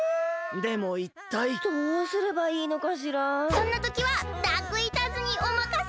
そんなときはダークイーターズにおまかせ！